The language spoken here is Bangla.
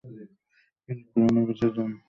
কিন্তু প্রাণে বেঁচে যান।